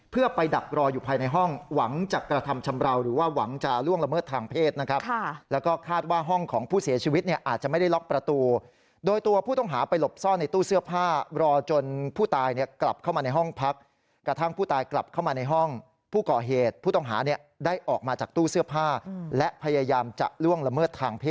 เพื่อไปดักรออยู่ภายในห้องหวังจะกระทำชำราวหรือว่าหวังจะล่วงละเมิดทางเพศนะครับแล้วก็คาดว่าห้องของผู้เสียชีวิตเนี่ยอาจจะไม่ได้ล็อกประตูโดยตัวผู้ต้องหาไปหลบซ่อนในตู้เสื้อผ้ารอจนผู้ตายเนี่ยกลับเข้ามาในห้องพักกระทั่งผู้ตายกลับเข้ามาในห้องผู้ก่อเหตุผู้ต้องหาเนี่ยได้ออกมาจากตู้เสื้อผ้าและพยายามจะล่วงละเมิดทางเพศ